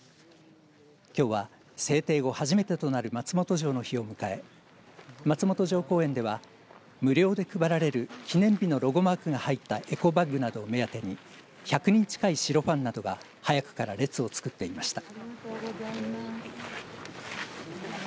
きょうは制定後、初めてとなる松本城の日を迎え松本城公園では無料で配られる記念日の日のロゴマークが入ったエコバッグなどを目当てに１００人近い城ファンなどが早くから列を作っていました。